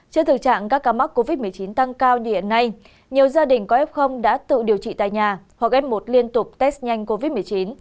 trước thực trạng các ca mắc covid một mươi chín tăng cao như hiện nay nhiều gia đình có f đã tự điều trị tại nhà hoặc f một liên tục test nhanh covid một mươi chín